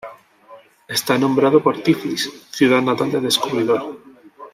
Está nombrado por Tiflis, ciudad natal del descubridor.